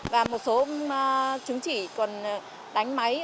và một số chứng chỉ còn đánh máy